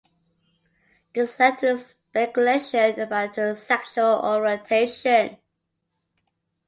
This led to speculation about her sexual orientation.